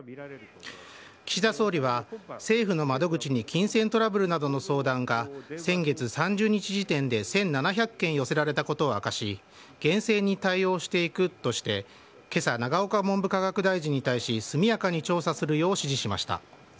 岸田総理は、政府の窓口に金銭トラブルなどの相談が先月３０日時点で１７００件寄せられたことを明かし、厳正に対応していくとして、けさ、永岡文部科学大臣に対し、速やかに調査するよう指示しました。